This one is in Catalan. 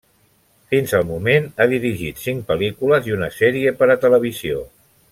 Fins al moment ha dirigit cinc pel·lícules i una sèrie per a televisió.